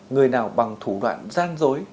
người nào bằng thủ đoạn gian dối